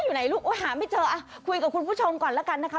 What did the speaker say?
อยู่ไหนลูกโอ้ยหาไม่เจออ่ะคุยกับคุณผู้ชมก่อนแล้วกันนะคะ